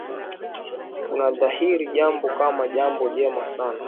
Kuna dhahiri jambo kama jambo jema sana